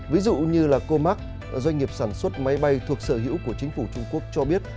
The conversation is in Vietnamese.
ví dụ như là comac doanh nghiệp sản xuất máy bay thuộc sở hữu của chính phủ trung quốc cho biết